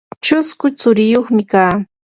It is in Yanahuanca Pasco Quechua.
chusku tsuriyuqmi kaa.